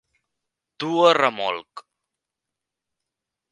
Dur a remolc.